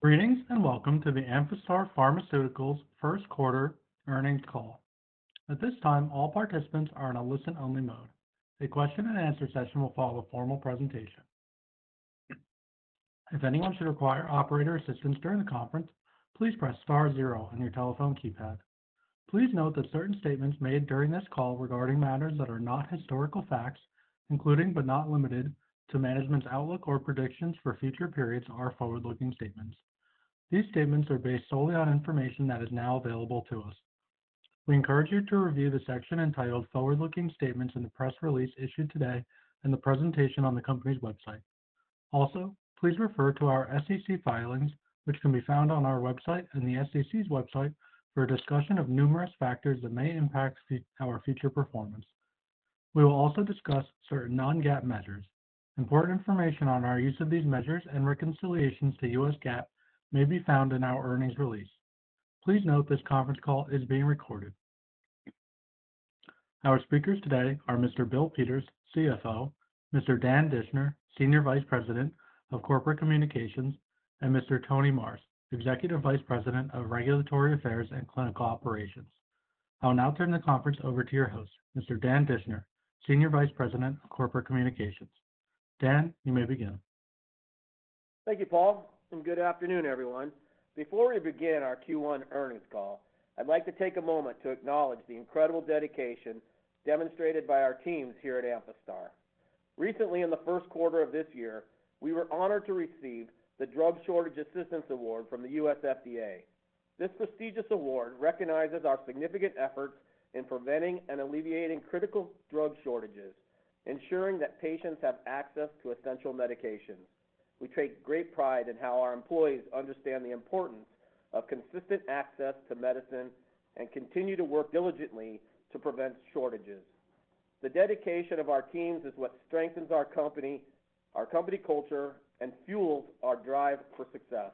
Greetings and welcome to the Amphastar Pharmaceuticals first quarter earnings call. At this time, all participants are in a listen-only mode. A question-and-answer session will follow a formal presentation. If anyone should require operator assistance during the conference, please press star zero on your telephone keypad. Please note that certain statements made during this call regarding matters that are not historical facts, including but not limited to management's outlook or predictions for future periods, are forward-looking statements. These statements are based solely on information that is now available to us. We encourage you to review the section entitled Forward-Looking Statements in the press release issued today and the presentation on the company's website. Also, please refer to our SEC filings, which can be found on our website and the SEC's website, for a discussion of numerous factors that may impact our future performance. We will also discuss certain non-GAAP measures. Important information on our use of these measures and reconciliations to U.S. GAAP may be found in our earnings release. Please note this conference call is being recorded. Our speakers today are Mr. Bill Peters, CFO, Mr. Dan Dischner, Senior Vice President of Corporate Communications, and Mr. Tony Marrs, Executive Vice President of Regulatory Affairs and Clinical Operations. I'll now turn the conference over to your host, Mr. Dan Dischner, Senior Vice President of Corporate Communications. Dan, you may begin. Thank you, Paul, and good afternoon, everyone. Before we begin our Q1 earnings call, I'd like to take a moment to acknowledge the incredible dedication demonstrated by our teams here at Amphastar. Recently, in the first quarter of this year, we were honored to receive the Drug Shortage Assistance Award from the U.S. FDA. This prestigious award recognizes our significant efforts in preventing and alleviating critical drug shortages, ensuring that patients have access to essential medications. We take great pride in how our employees understand the importance of consistent access to medicine and continue to work diligently to prevent shortages. The dedication of our teams is what strengthens our company, our company culture, and fuels our drive for success.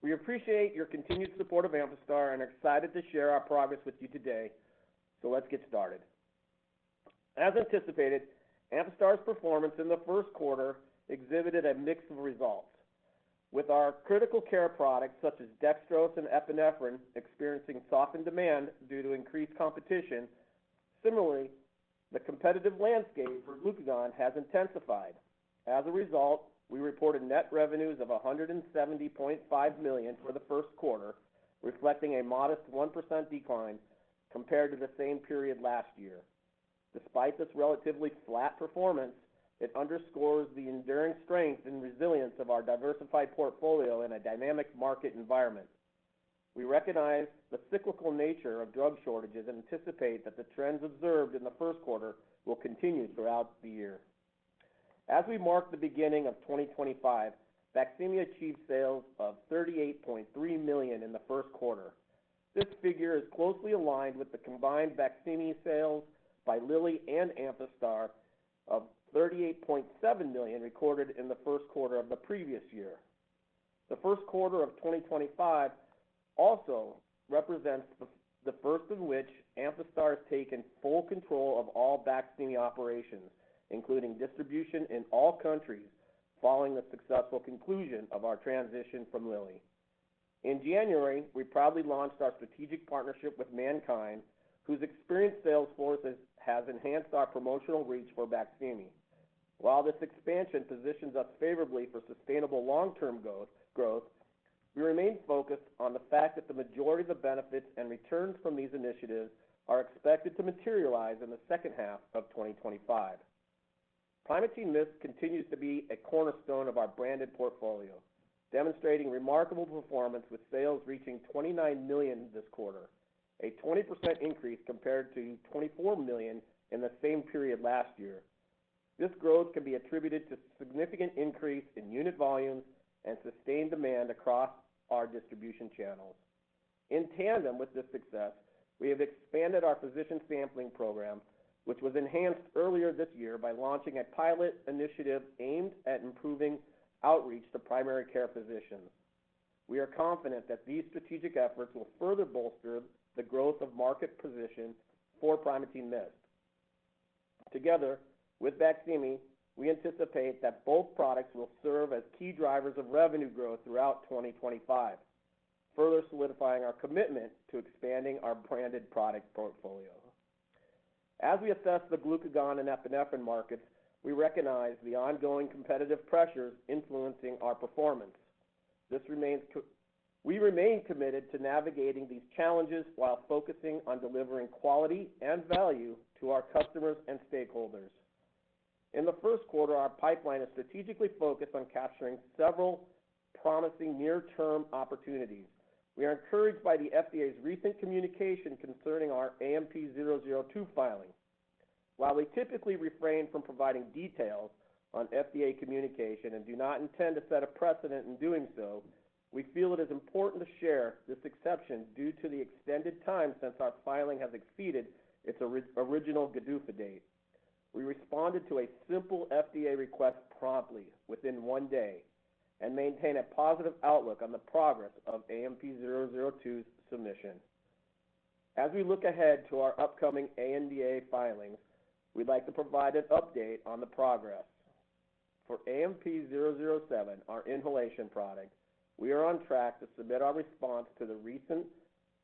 We appreciate your continued support of Amphastar and are excited to share our progress with you today. Let's get started. As anticipated, Amphastar's performance in the first quarter exhibited a mix of results, with our critical care products such as dextrose and epinephrine experiencing softened demand due to increased competition. Similarly, the competitive landscape for glucagon has intensified. As a result, we reported net revenues of $170.5 million for the first quarter, reflecting a modest 1% decline compared to the same period last year. Despite this relatively flat performance, it underscores the enduring strength and resilience of our diversified portfolio in a dynamic market environment. We recognize the cyclical nature of drug shortages and anticipate that the trends observed in the first quarter will continue throughout the year. As we mark the beginning of 2025, BAQSIMI achieved sales of $38.3 million in the first quarter. This figure is closely aligned with the combined BAQSIMI sales by Lilly and Amphastar of $38.7 million recorded in the first quarter of the previous year. The first quarter of 2025 also represents the first in which Amphastar has taken full control of all BAQSIMI operations, including distribution in all countries, following the successful conclusion of our transition from Lilly. In January, we proudly launched our strategic partnership with MannKind, whose experienced salesforce has enhanced our promotional reach for BAQSIMI. While this expansion positions us favorably for sustainable long-term growth, we remain focused on the fact that the majority of the benefits and returns from these initiatives are expected to materialize in the second half of 2025. Primatene MIST continues to be a cornerstone of our branded portfolio, demonstrating remarkable performance with sales reaching $29 million this quarter, a 20% increase compared to $24 million in the same period last year. This growth can be attributed to a significant increase in unit volumes and sustained demand across our distribution channels. In tandem with this success, we have expanded our physician sampling program, which was enhanced earlier this year by launching a pilot initiative aimed at improving outreach to primary care physicians. We are confident that these strategic efforts will further bolster the growth of market positions for Primatene MIST. Together with BAQSIMI, we anticipate that both products will serve as key drivers of revenue growth throughout 2025, further solidifying our commitment to expanding our branded product portfolio. As we assess the glucagon and epinephrine markets, we recognize the ongoing competitive pressures influencing our performance. We remain committed to navigating these challenges while focusing on delivering quality and value to our customers and stakeholders. In the first quarter, our pipeline is strategically focused on capturing several promising near-term opportunities. We are encouraged by the FDA's recent communication concerning our AMP-002 filing. While we typically refrain from providing details on FDA communication and do not intend to set a precedent in doing so, we feel it is important to share this exception due to the extended time since our filing has exceeded its original GDUFA date. We responded to a simple FDA request promptly within one day and maintain a positive outlook on the progress of AMP-002's submission. As we look ahead to our upcoming ANDA filings, we'd like to provide an update on the progress. For AMP-007, our inhalation product, we are on track to submit our response to the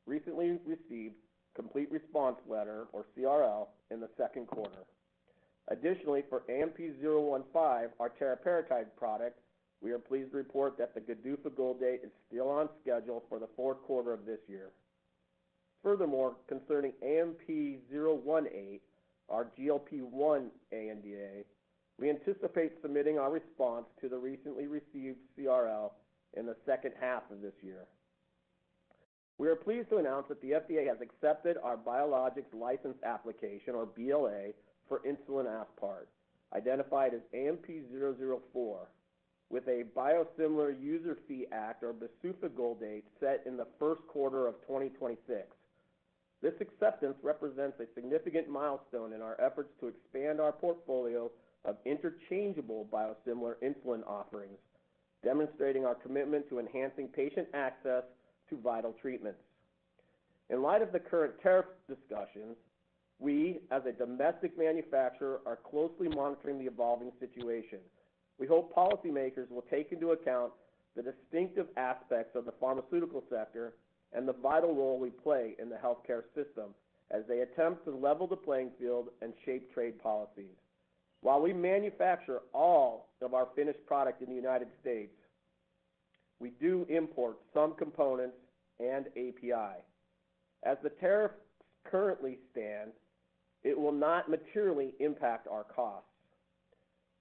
recently received complete response letter, or CRL, in the second quarter. Additionally, for AMP-015, our teriparatide product, we are pleased to report that the GDUFA goal date is still on schedule for the fourth quarter of this year. Furthermore, concerning AMP-018, our GLP-1 ANDA, we anticipate submitting our response to the recently received CRL in the second half of this year. We are pleased to announce that the FDA has accepted our Biologics License Application, or BLA, for insulin aspart, identified as AMP-004, with a Biosimilar User Fee Act, or BsUFA, goal date set in the first quarter of 2026. This acceptance represents a significant milestone in our efforts to expand our portfolio of interchangeable biosimilar insulin offerings, demonstrating our commitment to enhancing patient access to vital treatments. In light of the current tariff discussions, we, as a domestic manufacturer, are closely monitoring the evolving situation. We hope policymakers will take into account the distinctive aspects of the pharmaceutical sector and the vital role we play in the healthcare system as they attempt to level the playing field and shape trade policies. While we manufacture all of our finished product in the United States, we do import some components and API. As the tariffs currently stand, it will not materially impact our costs.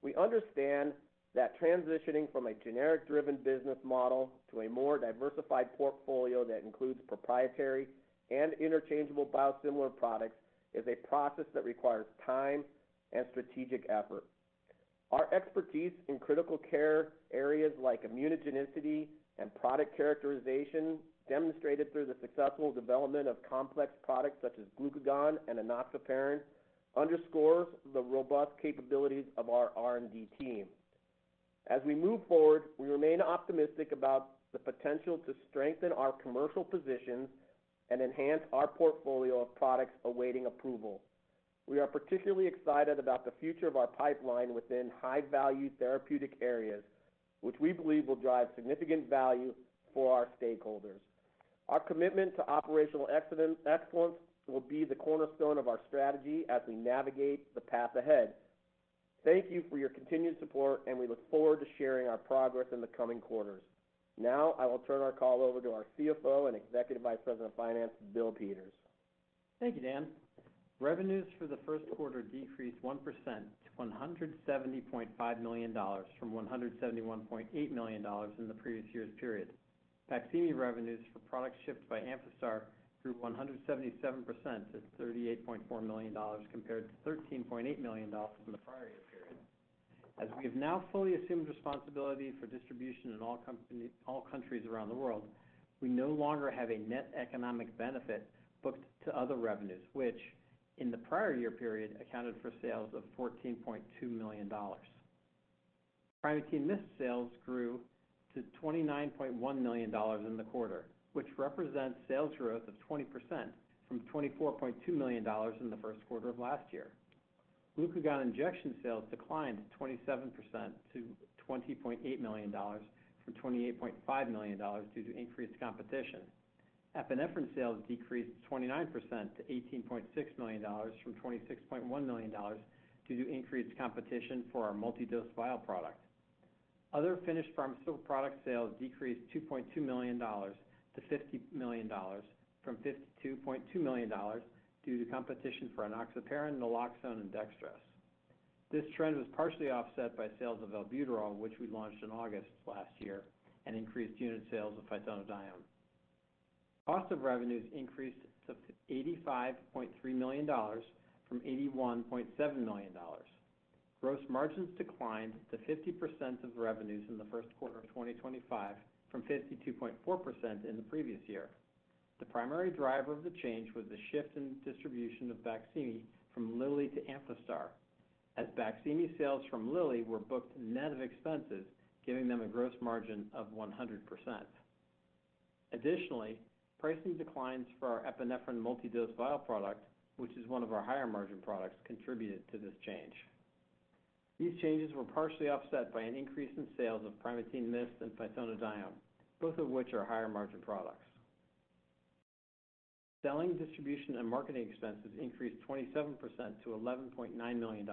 We understand that transitioning from a generic-driven business model to a more diversified portfolio that includes proprietary and interchangeable biosimilar products is a process that requires time and strategic effort. Our expertise in critical care areas like immunogenicity and product characterization, demonstrated through the successful development of complex products such as glucagon and enoxaparin, underscores the robust capabilities of our R&D team. As we move forward, we remain optimistic about the potential to strengthen our commercial positions and enhance our portfolio of products awaiting approval. We are particularly excited about the future of our pipeline within high-value therapeutic areas, which we believe will drive significant value for our stakeholders. Our commitment to operational excellence will be the cornerstone of our strategy as we navigate the path ahead. Thank you for your continued support, and we look forward to sharing our progress in the coming quarters. Now, I will turn our call over to our CFO and Executive Vice President of Finance, Bill Peters. Thank you, Dan. Revenues for the first quarter decreased 1% to $170.5 million from $171.8 million in the previous year's period. BAQSIMI revenues for products shipped by Amphastar grew 177% to $38.4 million compared to $13.8 million in the prior year period. As we have now fully assumed responsibility for distribution in all countries around the world, we no longer have a net economic benefit booked to other revenues, which, in the prior year period, accounted for sales of $14.2 million. Primatene MIST sales grew to $29.1 million in the quarter, which represents sales growth of 20% from $24.2 million in the first quarter of last year. Glucagon injection sales declined 27% to $20.8 million from $28.5 million due to increased competition. Epinephrine sales decreased 29% to $18.6 million from $26.1 million due to increased competition for our multi-dose vial product. Other finished pharmaceutical product sales decreased $2.2 million-$50 million from $52.2 million due to competition for enoxaparin, naloxone, and dextrose. This trend was partially offset by sales of albuterol, which we launched in August last year, and increased unit sales of phytonadione. Cost of revenues increased to $85.3 million from $81.7 million. Gross margins declined to 50% of revenues in the first quarter of 2025 from 52.4% in the previous year. The primary driver of the change was the shift in distribution of BAQSIMI from Lilly to Amphastar, as BAQSIMI sales from Lilly were booked net of expenses, giving them a gross margin of 100%. Additionally, pricing declines for our epinephrine multi-dose vial product, which is one of our higher margin products, contributed to this change. These changes were partially offset by an increase in sales of Primatene MIST and phytonadione, both of which are higher margin products. Selling, distribution, and marketing expenses increased 27% to $11.9 million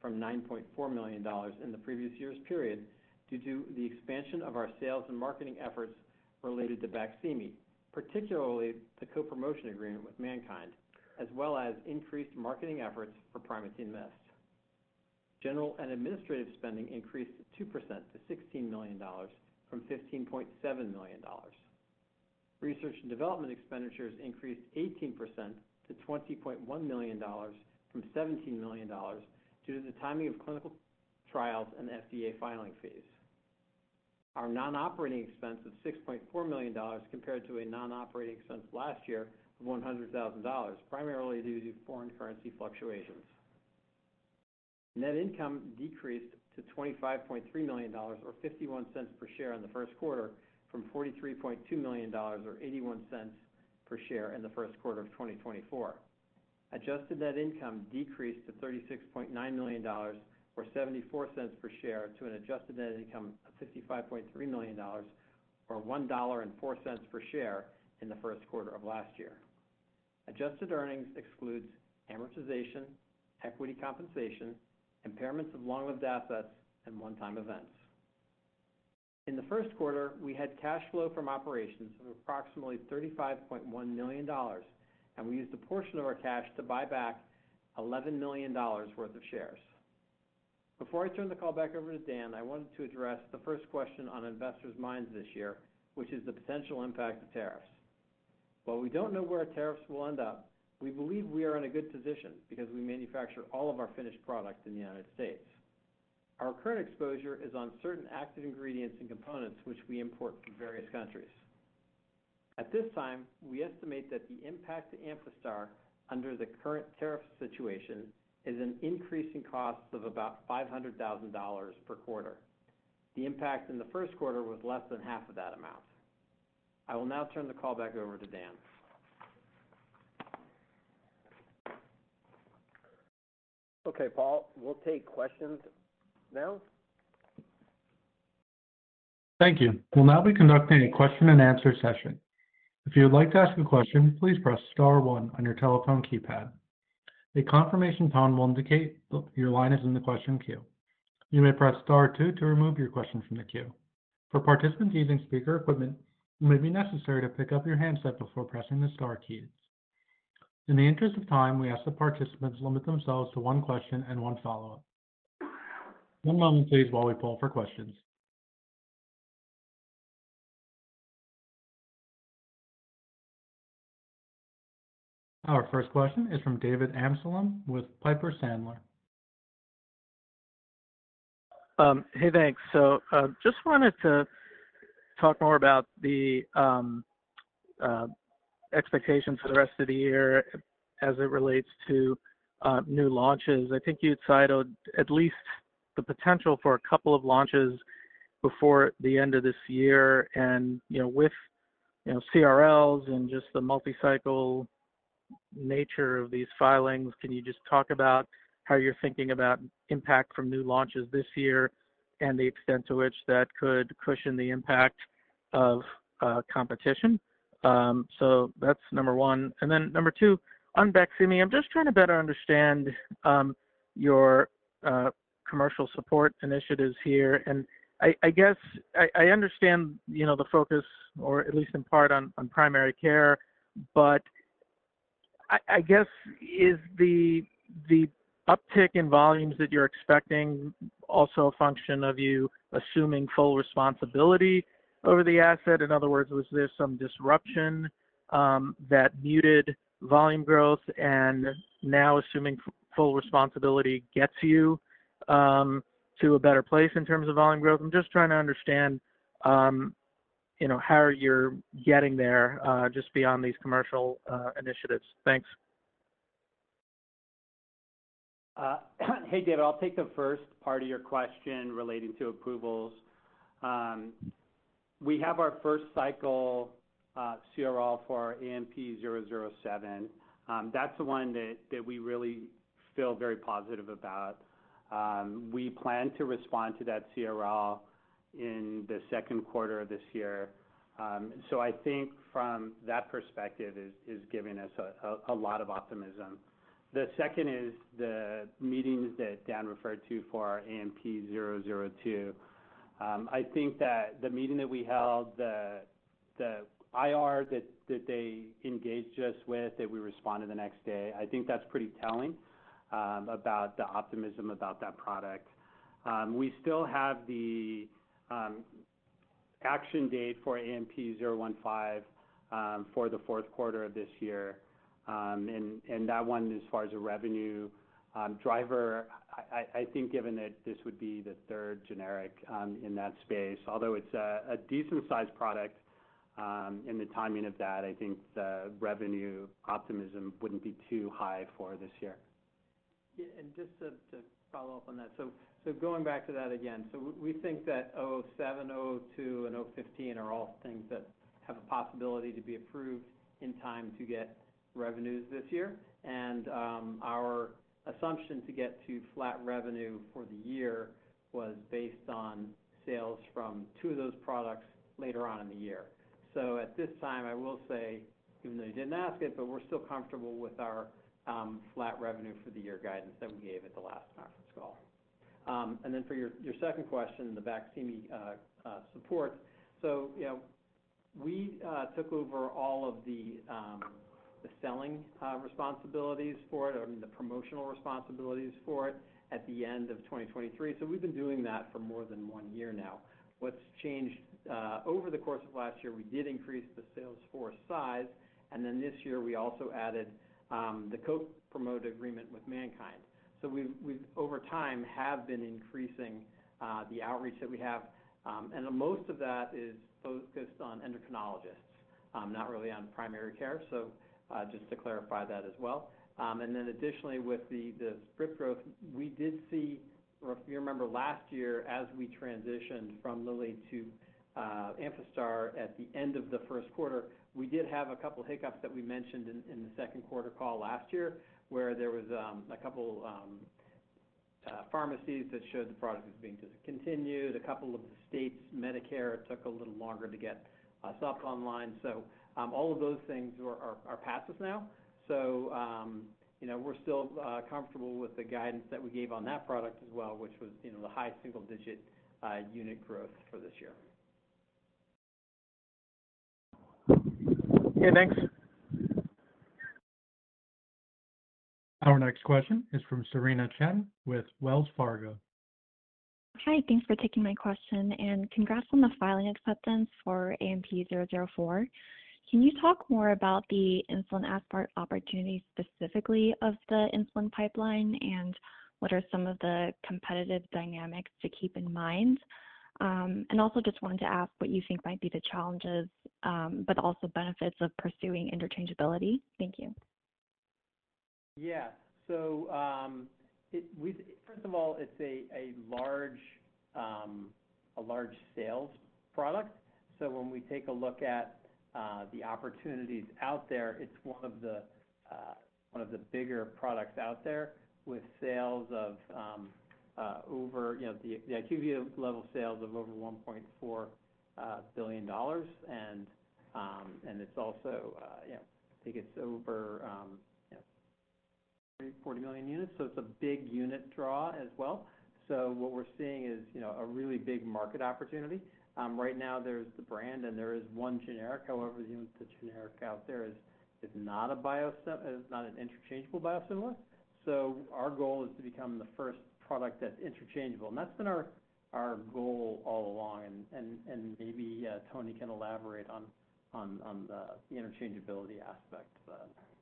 from $9.4 million in the previous year's period due to the expansion of our sales and marketing efforts related to BAQSIMI, particularly the co-promotion agreement with MannKind, as well as increased marketing efforts for Primatene MIST. General and administrative spending increased 2% to $16 million from $15.7 million. Research and development expenditures increased 18% to $20.1 million from $17 million due to the timing of clinical trials and FDA filing fees. Our non-operating expense of $6.4 million compared to a non-operating expense last year of $100,000, primarily due to foreign currency fluctuations. Net income decreased to $25.3 million, or $0.51 per share in the first quarter, from $43.2 million, or $0.81 per share in the first quarter of 2023. Adjusted net income decreased to $36.9 million, or $0.74 per share, to an adjusted net income of $55.3 million, or $1.04 per share in the first quarter of last year. Adjusted earnings excludes amortization, equity compensation, impairments of long-lived assets, and one-time events. In the first quarter, we had cash flow from operations of approximately $35.1 million, and we used a portion of our cash to buy back $11 million worth of shares. Before I turn the call back over to Dan, I wanted to address the first question on investors' minds this year, which is the potential impact of tariffs. While we do not know where tariffs will end up, we believe we are in a good position because we manufacture all of our finished product in the United States. Our current exposure is on certain active ingredients and components, which we import from various countries. At this time, we estimate that the impact to Amphastar under the current tariff situation is an increase in costs of about $500,000 per quarter. The impact in the first quarter was less than half of that amount. I will now turn the call back over to Dan. Okay, Paul, we'll take questions now. Thank you. We'll now be conducting a question-and-answer session. If you would like to ask a question, please press star one on your telephone keypad. A confirmation pound will indicate that your line is in the question queue. You may press star two to remove your question from the queue. For participants using speaker equipment, it may be necessary to pick up your handset before pressing the star keys. In the interest of time, we ask that participants limit themselves to one question and one follow-up. One moment, please, while we pull up our questions. Our first question is from David Amsellem with Piper Sandler. Hey, thanks. Just wanted to talk more about the expectations for the rest of the year as it relates to new launches. I think you'd cited at least the potential for a couple of launches before the end of this year. With CRLs and just the multi-cycle nature of these filings, can you just talk about how you're thinking about impact from new launches this year and the extent to which that could cushion the impact of competition? That's number one. Number two, on BAQSIMI, I'm just trying to better understand your commercial support initiatives here. I guess I understand the focus, or at least in part, on primary care, but I guess, is the uptick in volumes that you're expecting also a function of you assuming full responsibility over the asset? In other words, was there some disruption that muted volume growth, and now assuming full responsibility gets you to a better place in terms of volume growth? I'm just trying to understand how you're getting there just beyond these commercial initiatives. Thanks. Hey, David, I'll take the first part of your question relating to approvals. We have our first cycle CRL for our AMP-007. That's the one that we really feel very positive about. We plan to respond to that CRL in the second quarter of this year. I think from that perspective is giving us a lot of optimism. The second is the meetings that Dan referred to for our AMP-002. I think that the meeting that we held, the IR that they engaged us with, that we responded the next day, I think that's pretty telling about the optimism about that product. We still have the action date for AMP-015 for the fourth quarter of this year. As far as a revenue driver, I think given that this would be the third generic in that space, although it's a decent-sized product, in the timing of that, I think the revenue optimism wouldn't be too high for this year. Yeah. And just to follow up on that, going back to that again, we think that AMP-007, AMP-002, and AMP-015 are all things that have a possibility to be approved in time to get revenues this year. Our assumption to get to flat revenue for the year was based on sales from two of those products later on in the year. At this time, I will say, even though you did not ask it, we are still comfortable with our flat revenue for the year guidance that we gave at the last conference call. For your second question, the BAQSIMI support, we took over all of the selling responsibilities for it, the promotional responsibilities for it at the end of 2023. We have been doing that for more than one year now. What's changed over the course of last year, we did increase the Salesforce size, and then this year we also added the co-promote agreement with MannKind. We, over time, have been increasing the outreach that we have. Most of that is focused on endocrinologists, not really on primary care. Just to clarify that as well. Additionally, with the growth, we did see, if you remember, last year, as we transitioned from Lilly to Amphastar at the end of the first quarter, we did have a couple of hiccups that we mentioned in the second quarter call last year, where there was a couple of pharmacies that showed the product was being discontinued. A couple of the states, Medicare took a little longer to get us up online. All of those things are past us now. We're still comfortable with the guidance that we gave on that product as well, which was the high single-digit unit growth for this year. Hey, thanks. Our next question is from Cerena Chen with Wells Fargo. Hi, thanks for taking my question. Congrats on the filing acceptance for AMP-004. Can you talk more about the insulin aspart opportunity specifically of the insulin pipeline, and what are some of the competitive dynamics to keep in mind? I also just wanted to ask what you think might be the challenges, but also benefits of pursuing interchangeability. Thank you. Yeah. First of all, it's a large sales product. When we take a look at the opportunities out there, it's one of the bigger products out there with sales of over the IQVIA level sales of over $1.4 billion. It's also, I think it's over 40 million units. It's a big unit draw as well. What we're seeing is a really big market opportunity. Right now, there's the brand, and there is one generic. However, the generic out there is not a bio interchangeable biosimilar. Our goal is to become the first product that's interchangeable. That's been our goal all along. Maybe Tony can elaborate on the interchangeability aspect.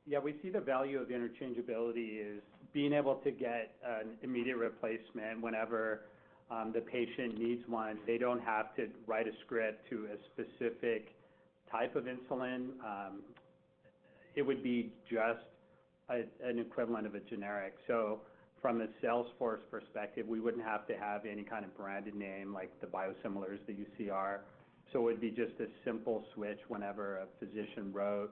Yeah, we see the value of interchangeability is being able to get an immediate replacement whenever the patient needs one. They don't have to write a script to a specific type of insulin. It would be just an equivalent of a generic. From a Salesforce perspective, we would not have to have any kind of branded name like the biosimilars that you see are. It would be just a simple switch. Whenever a physician wrote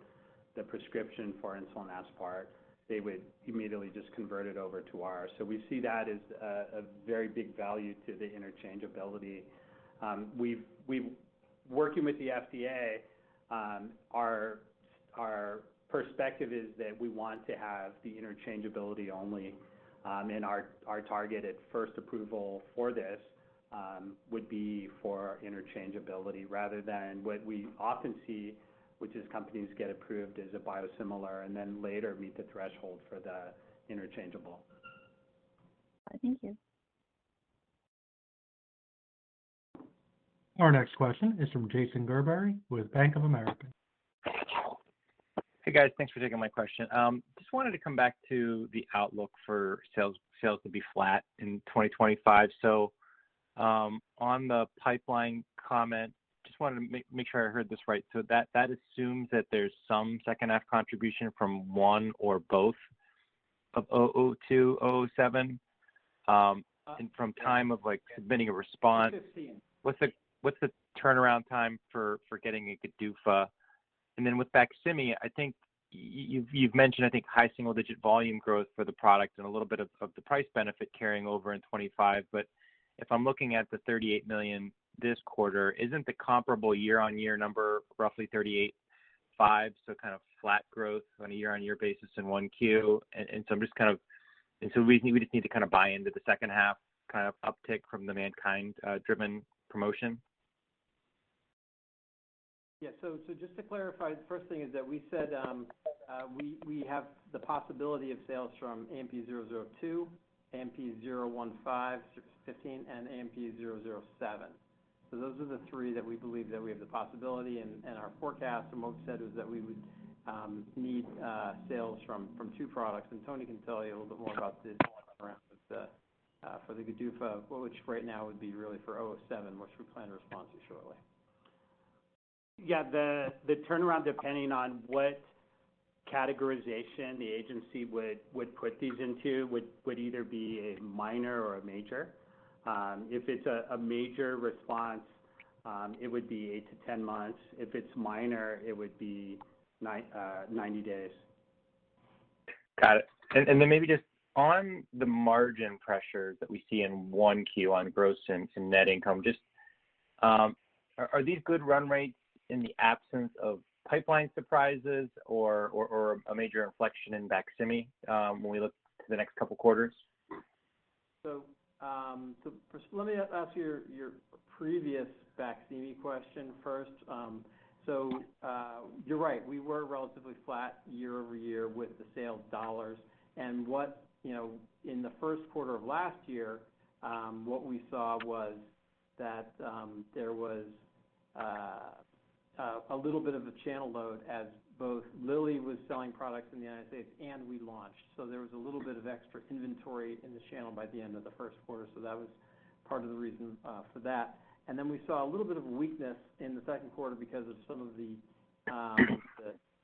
the prescription for insulin aspart, they would immediately just convert it over to ours. We see that as a very big value to the interchangeability. Working with the FDA, our perspective is that we want to have the interchangeability only. Our target at first approval for this would be for interchangeability rather than what we often see, which is companies get approved as a biosimilar and then later meet the threshold for the interchangeable. Thank you. Our next question is from Jason Gerberry with Bank of America. Hey, guys. Thanks for taking my question. Just wanted to come back to the outlook for sales to be flat in 2025. On the pipeline comment, just wanted to make sure I heard this right. That assumes that there's some second-half contribution from one or both of AMP-002, AMP-007, and from time of submitting a response. What's the turnaround time for getting a GDUFA? With BAQSIMI, I think you've mentioned, I think, high single-digit volume growth for the product and a little bit of the price benefit carrying over in 2025. If I'm looking at the $38 million this quarter, isn't the comparable year-on-year number roughly $38.5 million, so kind of flat growth on a year-on-year basis in Q1? I'm just kind of, and we just need to kind of buy into the second-half kind of uptick from the MannKind-driven promotion? Yeah. Just to clarify, the first thing is that we said we have the possibility of sales from AMP-002, AMP-015, and AMP-007. Those are the three that we believe that we have the possibility in our forecast. What we said was that we would need sales from two products. Tony can tell you a little bit more about the turnaround for the GDUFA, which right now would be really for AMP-007, which we plan to respond to shortly. Yeah. The turnaround, depending on what categorization the agency would put these into, would either be a minor or a major. If it's a major response, it would be 8 months-10 months. If it's minor, it would be 90 days. Got it. And then maybe just on the margin pressure that we see in Q1 on gross and net income, just are these good run rates in the absence of pipeline surprises or a major inflection in BAQSIMI when we look to the next couple of quarters? Let me ask your previous BAQSIMI question first. You're right. We were relatively flat year-over-year with the sales dollars. In the first quarter of last year, what we saw was that there was a little bit of a channel load as both Lilly was selling products in the United States and we launched. There was a little bit of extra inventory in the channel by the end of the first quarter. That was part of the reason for that. We saw a little bit of weakness in the second quarter because of some of the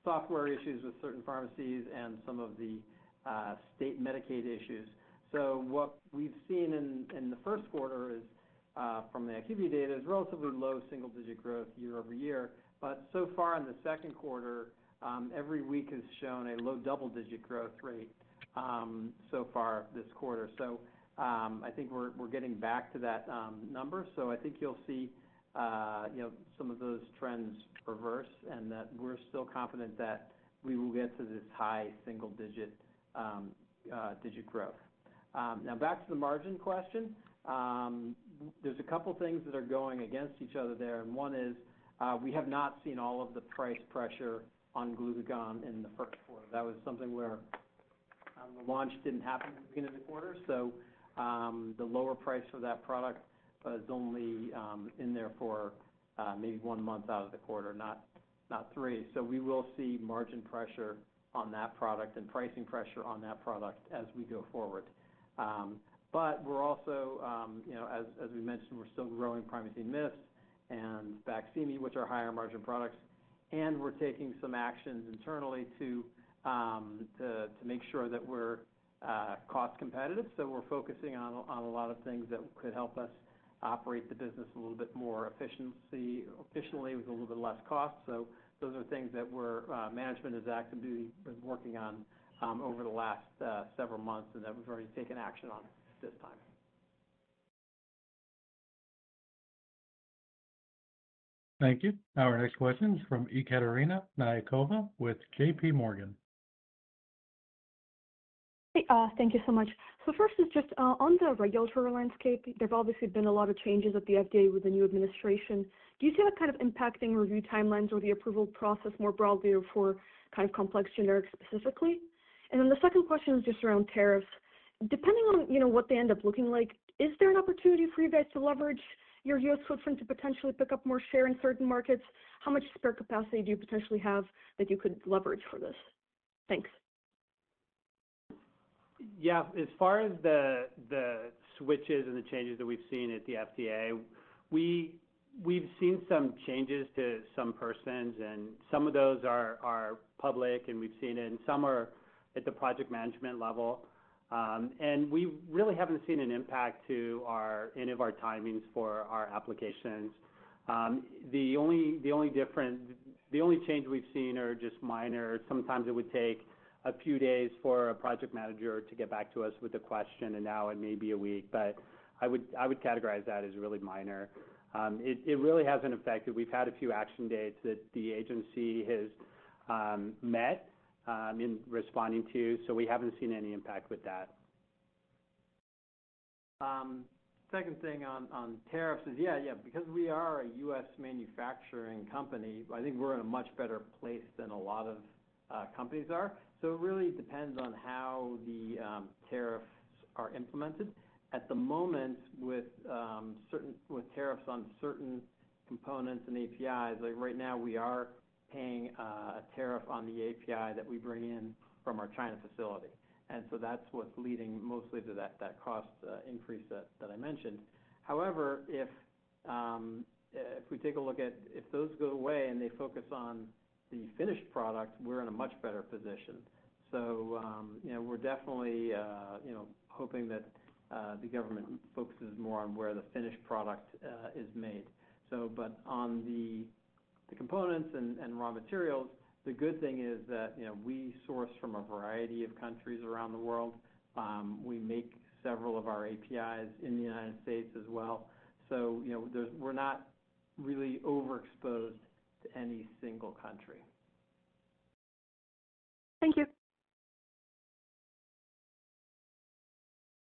software issues with certain pharmacies and some of the state Medicaid issues. What we've seen in the first quarter is, from the IQVIA data, relatively low single-digit growth year-over-year. So far in the second quarter, every week has shown a low double-digit growth rate so far this quarter. I think we're getting back to that number. I think you'll see some of those trends reverse and that we're still confident that we will get to this high single-digit growth. Now, back to the margin question, there's a couple of things that are going against each other there. One is we have not seen all of the price pressure on glucagon in the first quarter. That was something where the launch did not happen at the beginning of the quarter. The lower price for that product is only in there for maybe one month out of the quarter, not three. We will see margin pressure on that product and pricing pressure on that product as we go forward. We're also, as we mentioned, we're still growing Primatene MIST and BAQSIMI, which are higher margin products. We're taking some actions internally to make sure that we're cost competitive. We're focusing on a lot of things that could help us operate the business a little bit more efficiently with a little bit less cost. Those are things that management is active working on over the last several months and that we've already taken action on this time. Thank you. Our next question is from Ekaterina Knyazkova with JPMorgan. Hey, thank you so much. First is just on the regulatory landscape, there've obviously been a lot of changes at the FDA with the new administration. Do you see that kind of impacting review timelines or the approval process more broadly for kind of complex generics specifically? The second question is just around tariffs. Depending on what they end up looking like, is there an opportunity for you guys to leverage your U.S. footprint to potentially pick up more share in certain markets? How much spare capacity do you potentially have that you could leverage for this? Thanks. Yeah. As far as the switches and the changes that we've seen at the FDA, we've seen some changes to some persons. Some of those are public, and we've seen it. Some are at the project management level. We really haven't seen an impact to any of our timings for our applications. The only change we've seen is just minor. Sometimes it would take a few days for a project manager to get back to us with a question, and now it may be a week. I would categorize that as really minor. It really hasn't affected. We've had a few action dates that the agency has met in responding to. We haven't seen any impact with that. Second thing on tariffs is, yeah, because we are a U.S. manufacturing company, I think we're in a much better place than a lot of companies are. It really depends on how the tariffs are implemented. At the moment, with tariffs on certain components and APIs, right now we are paying a tariff on the API that we bring in from our China facility. That's what's leading mostly to that cost increase that I mentioned. However, if we take a look at if those go away and they focus on the finished product, we're in a much better position. We're definitely hoping that the government focuses more on where the finished product is made. On the components and raw materials, the good thing is that we source from a variety of countries around the world. We make several of our APIs in the United States as well. So we're not really overexposed to any single country. Thank you.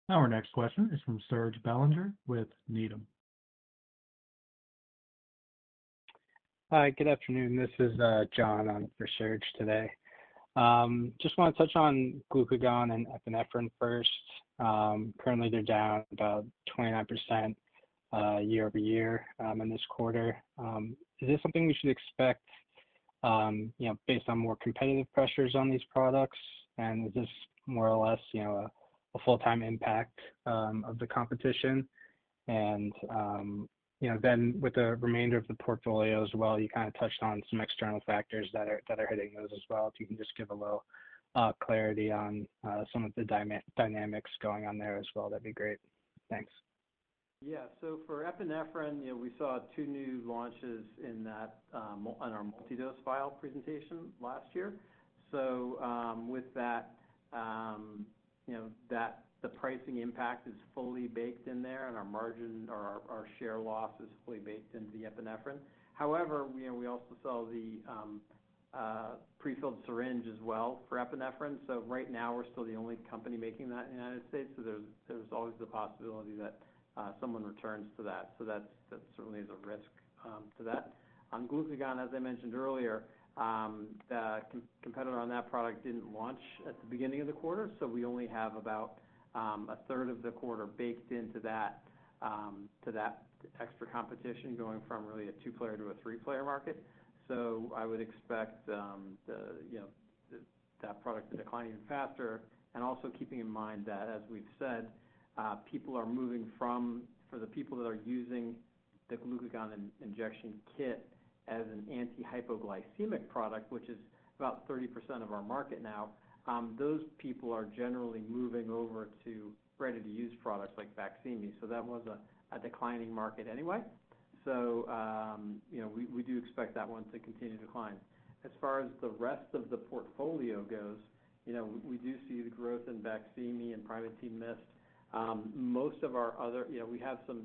Our next question is from Serge Belanger with Needham. Hi, good afternoon. This is John for Serge today. Just want to touch on glucagon and epinephrine first. Currently, they're down about 29% year-over-year in this quarter. Is this something we should expect based on more competitive pressures on these products? Is this more or less a full-time impact of the competition? With the remainder of the portfolio as well, you kind of touched on some external factors that are hitting those as well. If you can just give a little clarity on some of the dynamics going on there as well, that'd be great. Thanks. Yeah. So for epinephrine, we saw two new launches in our multidose vial presentation last year. With that, the pricing impact is fully baked in there, and our share loss is fully baked into the epinephrine. However, we also sell the prefilled syringe as well for epinephrine. Right now, we're still the only company making that in the United States. There is always the possibility that someone returns to that. That certainly is a risk to that. On glucagon, as I mentioned earlier, the competitor on that product did not launch at the beginning of the quarter. We only have about a third of the quarter baked into that extra competition going from really a two-player to a three-player market. I would expect that product to decline even faster. Also keeping in mind that, as we've said, people are moving from, for the people that are using the glucagon injection kit as an antihypoglycemic product, which is about 30% of our market now, those people are generally moving over to ready-to-use products like BAQSIMI. That was a declining market anyway. We do expect that one to continue to decline. As far as the rest of the portfolio goes, we do see the growth in BAQSIMI and Primatene MIST. Most of our other, we have some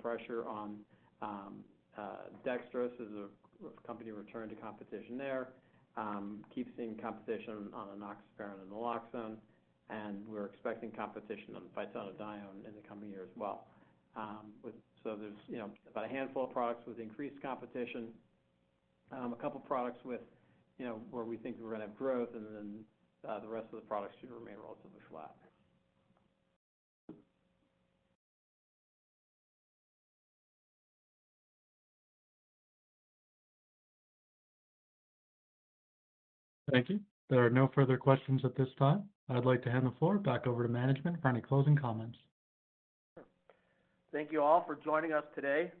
pressure on dextrose as a company returned to competition there. Keep seeing competition on enoxaparin and naloxone. We are expecting competition on phytonadione in the coming year as well. There's about a handful of products with increased competition, a couple of products where we think we're going to have growth, and then the rest of the products should remain relatively flat. Thank you. There are no further questions at this time. I'd like to hand the floor back over to management for any closing comments. Thank you all for joining us today.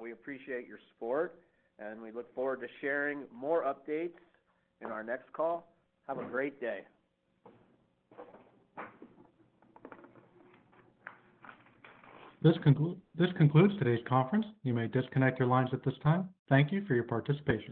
We appreciate your support, and we look forward to sharing more updates in our next call. Have a great day. This concludes today's conference. You may disconnect your lines at this time. Thank you for your participation.